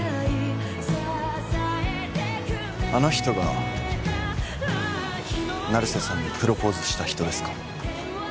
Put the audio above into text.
あの人が成瀬さんにプロポーズした人ですか？